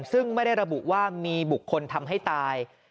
ซึ่งไม่ได้ระบุว่ามีบุคคลทำให้ตาย